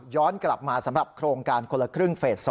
กลับมาสำหรับโครงการคนละครึ่งเฟส๒